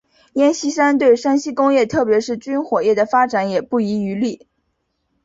阎锡山对山西工业特别是军火业的发展也不遗余力。